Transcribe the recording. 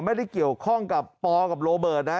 ไม่ได้เกี่ยวข้องกับปอกับโรเบิร์ตนะ